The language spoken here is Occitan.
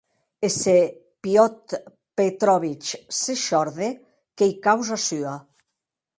E se Piotr Petrovitch se shòrde, qu’ei causa sua.